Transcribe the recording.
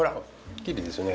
きれいですよね。